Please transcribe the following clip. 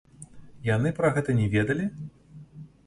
Яны пра гэта не ведалі?